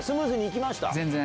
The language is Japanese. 全然。